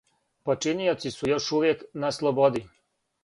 Починиоци су још увијек на слободи.